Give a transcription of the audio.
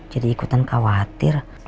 jadi ikutan khawatir